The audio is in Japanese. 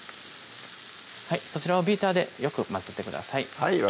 はいそちらをビーターでよく混ぜてください